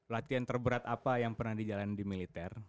latihan terberat apa yang pernah dijalan di militer